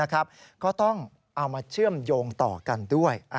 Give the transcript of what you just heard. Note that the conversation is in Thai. ก็ต้องเอามาเชื่อมโยงต่อกันด้วย